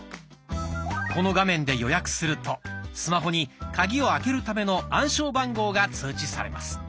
この画面で予約するとスマホにカギを開けるための暗証番号が通知されます。